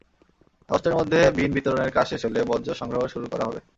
আগস্টের মধ্যে বিন বিতরণের কাজ শেষ হলে বর্জ্য সংগ্রহ শুরু করা হবে।